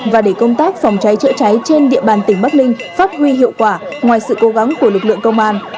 và để công tác phòng cháy chữa cháy trên địa bàn tỉnh bắc ninh phát huy hiệu quả ngoài sự cố gắng của lực lượng công an